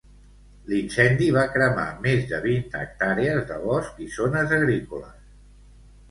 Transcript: L'incendi va cremar més de vint hectàrees de bosc i zones agrícoles.